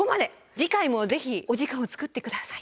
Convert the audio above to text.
次回もぜひお時間をつくって下さい。